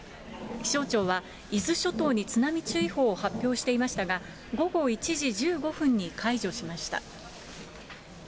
気象庁は、伊豆諸島に津波注意報を発表していましたが、午後１時１５分に解除しました。